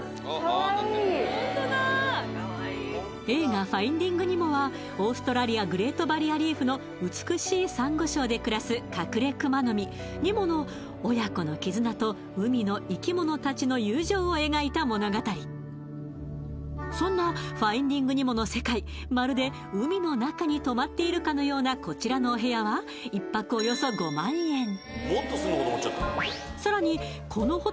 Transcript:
映画「ファインディング・ニモ」はオーストラリアグレートバリアリーフの美しいサンゴ礁で暮らすカクレクマノミニモの親子の絆と海の生き物たちの友情を描いた物語そんな「ファインディング・ニモ」の世界まるで海の中に泊まっているかのようなこちらのお部屋は１泊およそ５万円